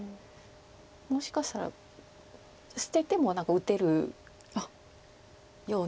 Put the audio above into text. もしかしたら捨てても打てるような。